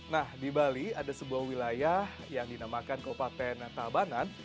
nah di bali ada sebuah wilayah yang dinamakan kabupaten tabanan